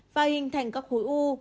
và hình thành các khối u